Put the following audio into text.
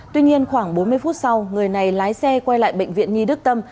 tuy nhiên khoảng bốn mươi phút sau người này lái xe quay lại bệnh viện nhi đức tâm